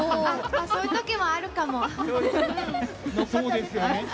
そういうときもあるかも。